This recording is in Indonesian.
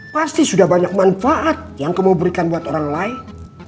pasti sudah banyak manfaat yang kamu berikan buat orang lain